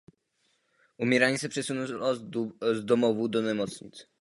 Umírání se přesunulo z domovů do nemocnic.